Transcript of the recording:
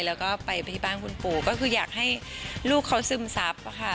แล้วก็ไปที่บ้านคุณปู่ก็คืออยากให้ลูกเขาซึมซับค่ะ